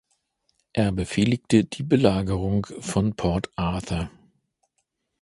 Er befehligte die Belagerung von Port Arthur.